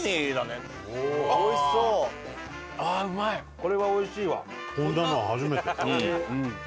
これはおいしいわ。